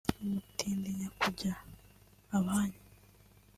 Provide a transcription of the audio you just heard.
Umutindi Nyakujya (Abahanya